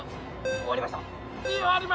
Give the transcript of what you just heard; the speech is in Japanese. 終わりました。